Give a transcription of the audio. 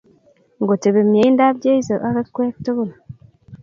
Ngotebi miendap Jeso akikwek tukul